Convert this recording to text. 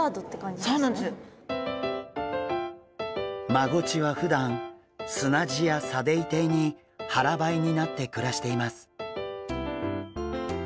マゴチはふだん砂地や砂泥底に腹ばいになって暮らしています。